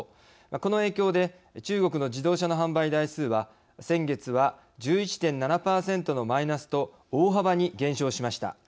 この影響で中国の自動車の販売台数は先月は１１．７％のマイナスと大幅に減少しました。